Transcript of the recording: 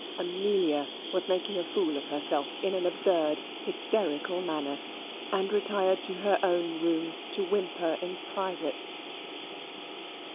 Amelia was making a fool of herself in an absurd hysterical manner, and retired to her own room to whimper in private.